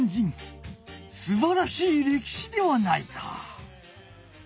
すばらしいれきしではないか！